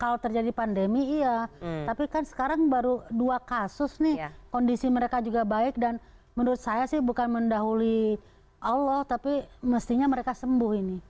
kalau terjadi pandemi iya tapi kan sekarang baru dua kasus nih kondisi mereka juga baik dan menurut saya sih bukan mendahului allah tapi mestinya mereka sembuh ini